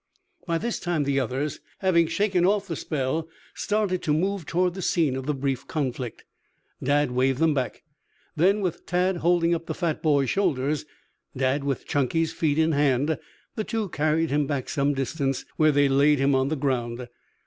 By this time the others, having shaken off the spell, started to move toward the scene of the brief conflict. Dad waved them back; then, with Tad holding up the fat boy's shoulders, Dad with Chunky's feet in hand, the two carried him back some distance, where they laid him on the ground.